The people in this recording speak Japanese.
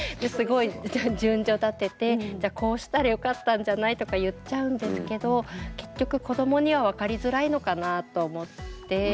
すごい順序立てて「じゃこうしたらよかったんじゃない？」とか言っちゃうんですけど結局子どもには分かりづらいのかなと思って。